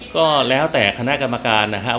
ก็แล้วแต่คณะกรรมการนะครับ